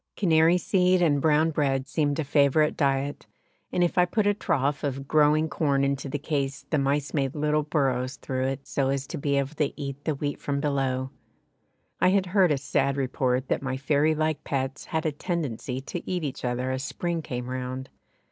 Canary seed and brown bread seemed a favourite diet, and if I put a trough of growing corn into the case the mice made little burrows through it so as to be able to eat the wheat from below. I had heard a sad report that my fairy like pets had a tendency to eat each other as spring came round!